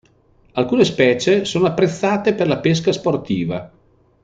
Alcune specie sono apprezzate per la pesca sportiva.